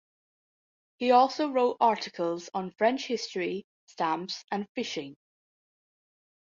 He also wrote articles on French history, stamps, and fishing.